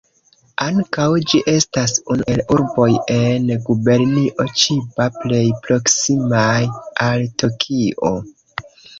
Ankaŭ ĝi estas unu el urboj en Gubernio Ĉiba plej proksimaj al Tokio.